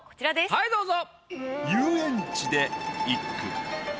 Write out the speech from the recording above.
はいどうぞ。